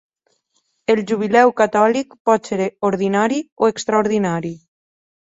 El jubileu catòlic pot ser ordinari o extraordinari.